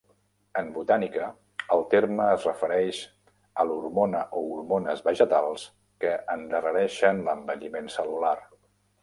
En botànica el terme es refereix a l'hormona o hormones vegetals que endarrereixen l'envelliment cel·lular.